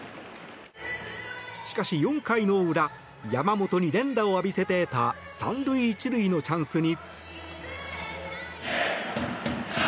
しかし、４回の裏山本に連打を浴びせて得た３塁１塁のチャンスに。